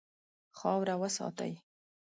خاوره وساتئ.